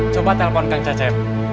coba telepon kang cecep